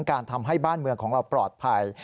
การทำให้บ้านเมืองของเราปลอดภัย